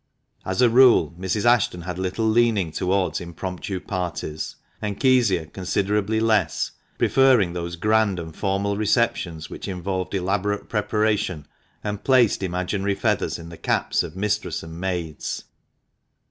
As a rule, Mrs. Ashton had little leaning towards impromptu parties, and Kezia considerably less, preferring those grand and formal receptions which involved elaborate preparation, and placed imaginary feathers in the caps of mistress and maids.